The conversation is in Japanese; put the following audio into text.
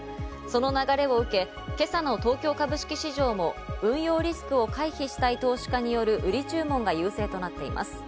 その流れを受けて今朝の東京株式市場も運用リスクを回避したい投資家による売り注文が優勢となっています。